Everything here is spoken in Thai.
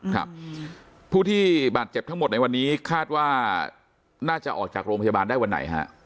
ครับผู้ที่บาดเจ็บทั้งหมดในวันนี้คาดว่าน่าจะออกจากโรงพยาบาลได้วันไหนฮะ